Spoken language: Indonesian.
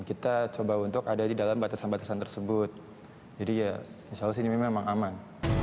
kita coba untuk ada di dalam batasan batasan tersebut jadi ya insya allah sini memang aman